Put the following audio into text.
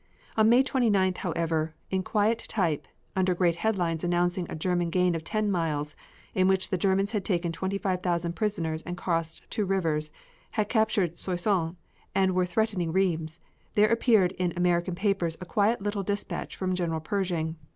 On May 29th, however, in quiet type, under great headlines announcing a German gain of ten miles in which the Germans had taken twenty five thousand prisoners and crossed two rivers, had captured Soissons, and were threatening Rheims, there appeared in American papers a quiet little despatch from General Pershing.